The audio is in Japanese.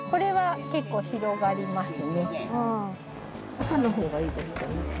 赤の方がいいですかね。